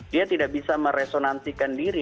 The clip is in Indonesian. dia tidak bisa meresonansikan diri